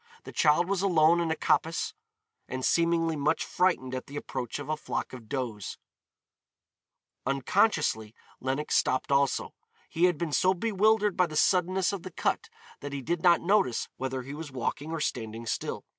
The child was alone in a coppice and seemingly much frightened at the approach of a flock of does. Unconsciously Lenox stopped also. He had been so bewildered by the suddenness of the cut that he did not notice whether he was walking or standing still.